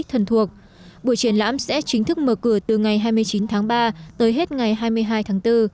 thân thuộc buổi triển lãm sẽ chính thức mở cửa từ ngày hai mươi chín tháng ba tới hết ngày hai mươi hai tháng bốn